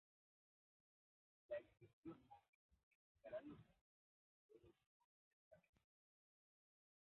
La extensión móvil indicará los milímetros enteros que contiene la medida.